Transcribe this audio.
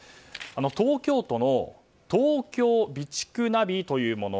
東京都の東京備蓄ナビというもの。